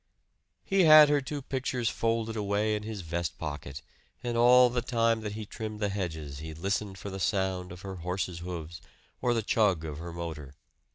He had her two pictures folded away in his vest pocket; and all the time that he trimmed the hedges he listened for the sound of her horse's hoofs or for the chug of her motor.